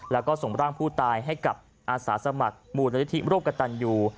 แล้วก็ส่งร่างผู้ตายให้กับอาสาสมัครมูลนิธิร่วมกับตันยู